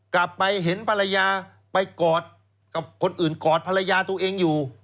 กลับไปเห็นภรรยาไปกอดกับคนอื่นกอดภรรยาตัวเองอยู่